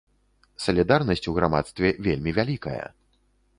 Салідарнасць у грамадстве вельмі вялікая.